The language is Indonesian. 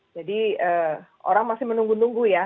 jadi orang masih menunggu nunggu ya